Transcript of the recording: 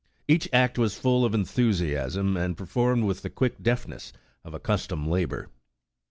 Each act was full of enthusiasm, and per formed with the quick deftness of accustomed labor.